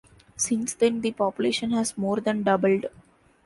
Since then, the population has more than doubled.